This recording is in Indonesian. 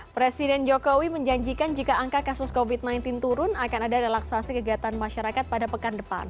presiden jokowi menjanjikan jika angka kasus covid sembilan belas turun akan ada relaksasi kegiatan masyarakat pada pekan depan